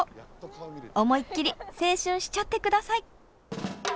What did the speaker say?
思いっきり青春しちゃって下さい！